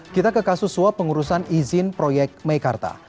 kita ke kasus suap pengurusan izin proyek meikarta